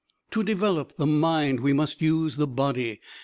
To develop the mind, we must use the body.